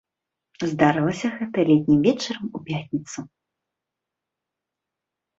Здарылася гэта летнім вечарам у пятніцу.